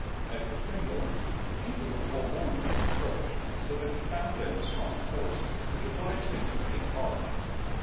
At Coquimbo, the people were forewarned of his approach, so that he found there a strong force, which obliged him to re embark.